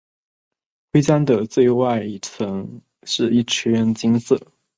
徽章的最外层是一圈金色。